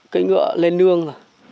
cưới ngựa lên nương